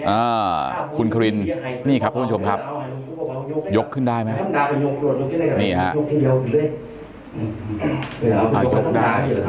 อ่าคุณครินนี่ครับท่านผู้ชมครับยกขึ้นได้ไหมนี่ฮะ